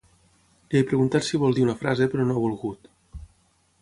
Li he preguntat si vol dir una frase però no ha volgut.